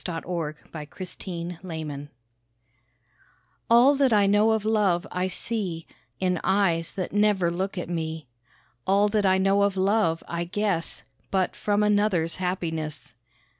THE SONG OF THE YOUNG PAGE All that I know of love I see In eyes that never look at me; All that I know of love I guess But from another's happiness.